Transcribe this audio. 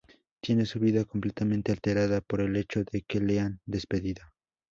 Tiene su vida completamente alterada por el hecho de que le han despedido.